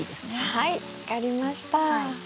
はい分かりました。